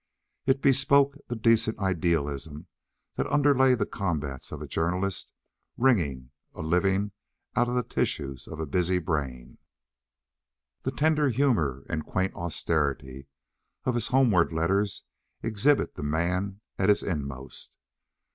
It bespoke the decent idealism that underlay the combats of a journalist wringing a living out of the tissues of a busy brain. The tender humour and quaint austerity of his homeward letters exhibit the man at his inmost.